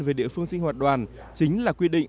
về địa phương sinh hoạt đoàn chính là quy định